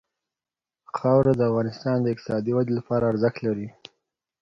خاوره د افغانستان د اقتصادي ودې لپاره ارزښت لري.